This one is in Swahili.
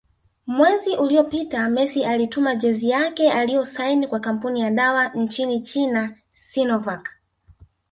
Mwezi uliopita Messi alituma jezi yake alioisaini kwa kampuni ya dawa nchini China Sinovac